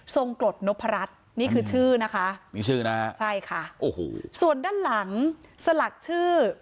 กรดนพรัชนี่คือชื่อนะคะมีชื่อนะใช่ค่ะโอ้โหส่วนด้านหลังสลักชื่อ